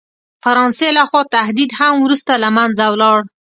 فرانسې له خوا تهدید هم وروسته له منځه ولاړ.